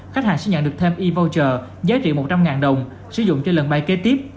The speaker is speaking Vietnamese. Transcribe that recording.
khách hàng sẽ nhận được thêm evocher giá trị một trăm linh đồng sử dụng cho lần bay kế tiếp